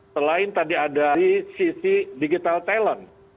selain tadi ada di sisi digital talent